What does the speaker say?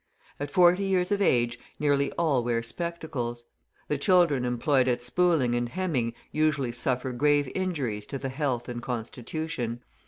At forty years of age, nearly all wear spectacles. The children employed at spooling and hemming usually suffer grave injuries to the health and constitution.